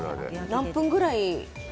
何分ぐらい？